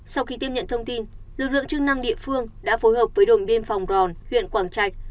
sau khi tiếp nhận thông tin lực lượng chức năng địa phương đã phối hợp với đồn biên phòng ròn huyện quảng trạch